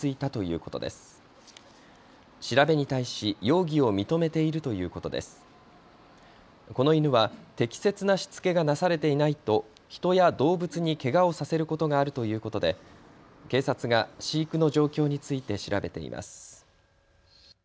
この犬は適切なしつけがなされていないと人や動物にけがをさせることがあるということで警察が飼育の状況について調べています。